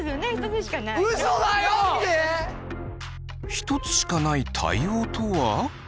一つしかない対応とは？